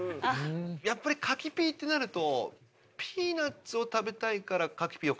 やっぱり柿ピーってなると。